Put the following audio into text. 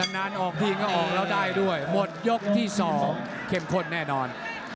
นานออกทีก็ออกแล้วได้ด้วยหมดยกที่๒เข้มข้นแน่นอน